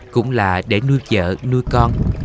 cũng là để nuôi vợ nuôi con